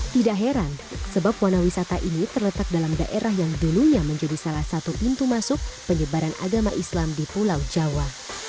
tidak heran sebab wana wisata ini terletak dalam daerah yang dulunya menjadi salah satu pintu masuk penyebaran agama islam di pulau jawa